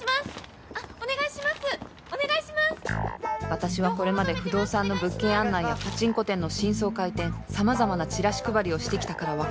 私はこれまで不動産の物件案内やパチンコ店の新装開店様々なチラシ配りをしてきたからわかる